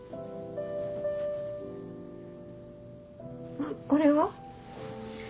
あっこれは？